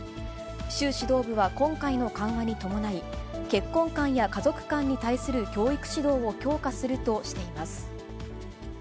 習指導部は今回の緩和に伴い、結婚観や家族観に対する教育指導を強化するとしています。